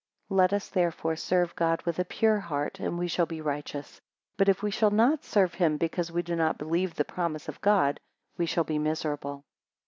10 Let us, therefore, serve God with a pure heart, and we shall be righteous: but if we shall not serve him, because we do not believe the promise of God, we shall be miserable.